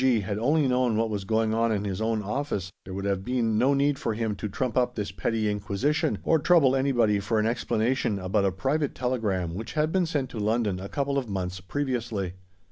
G. had only known what was going on in his own office there would have been no need for him to trump up this petty inquisition, or trouble anybody for an explanation about a private telegram which had been sent to London a couple of months previously.